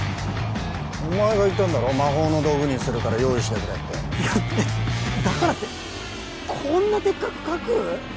お前が言ったんだろ魔法の道具にするから用意してくれっていやだからってこんなでっかく書く？